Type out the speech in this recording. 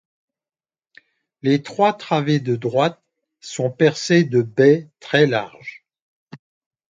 Les trois travées de droite sont percées de baies très larges.